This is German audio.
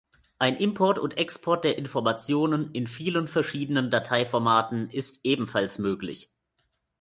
Ein Import und Export der Informationen in vielen verschiedenen Dateiformaten ist ebenfalls möglich.